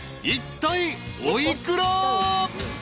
［いったいお幾ら？］